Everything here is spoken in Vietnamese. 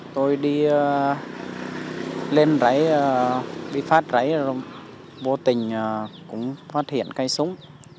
tôi đi lên ráy bị phát ráy rồi bố tình cũng phát hiện cây súng